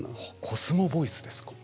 コスモボイスですか。